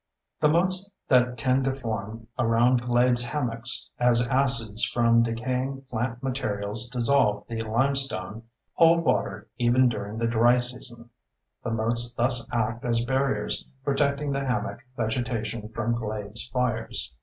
The moats that tend to form around glades hammocks, as acids from decaying plant materials dissolve the limestone, hold water even during the dry season; the moats thus act as barriers protecting the hammock vegetation from glades fires.